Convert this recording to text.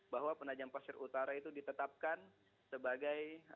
bahwa penajam pasir utara itu ditetapkan sebagai